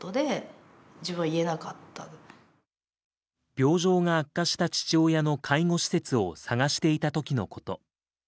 病状が悪化した父親の介護施設を探していた時のこと。